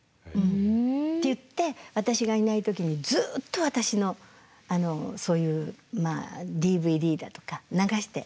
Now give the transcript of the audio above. って言って私がいない時にずっと私のあのそういうまあＤＶＤだとか流して。